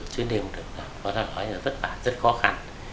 suốt đêm được có thể nói là vất vả rất khó khăn